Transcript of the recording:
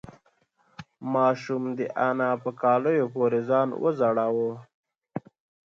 ماشوم د انا په کالیو پورې ځان وځړاوه.